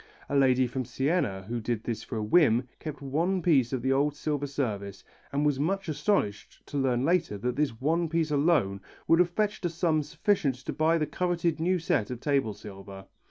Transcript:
A lady from Siena who did this for a whim, kept one piece of the old silver service and was much astonished to learn later that this one piece alone would have fetched a sum sufficient to buy the coveted new set of table silver.